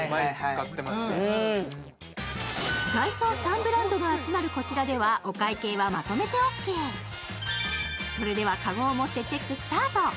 ダイソー３ブランドが集まるこちらでは、お会計はまとめてオーケーそれでは籠を持ってチェックスタート。